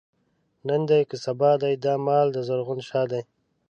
نن دی که سبا دی، دا مال دَ زرغون شاه دی